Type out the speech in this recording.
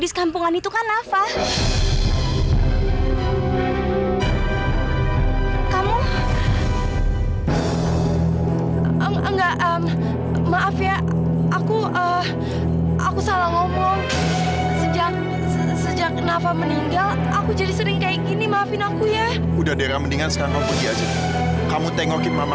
sampai jumpa di video selanjutnya